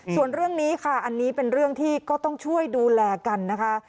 ส่วนเรื่องนี้ค่ะอันนี้เป็นเรื่องที่ก็ต้องช่วยดูแลกันนะคะ